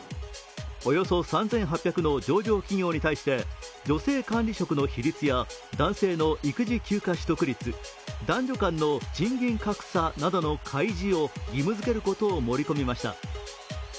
およそ３８００の上場企業に対して女性管理職の比率や男性の育児休暇取得率、男女間の賃金格差などの開示を義務づけることを盛り込みました。